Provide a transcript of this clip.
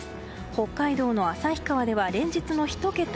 北海道の旭川では連日の１桁。